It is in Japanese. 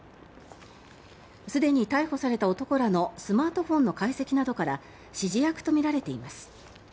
すでに逮捕された男らのスマートフォンの解析などから指示役とみられています。